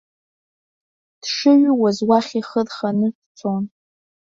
Дшыҩуаз уахь ихы рханы дцон.